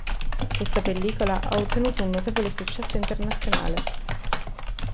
Questa pellicola ha ottenuto un notevole successo internazionale..